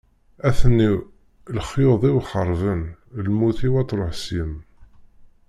A-ten-in lexyuḍ-iw xeṛben, lmut-iw ad truḥ seg-m.